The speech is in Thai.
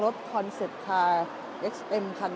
เดี๋ยวจะให้ดูว่าค่ายมิซูบิชิเป็นอะไรนะคะ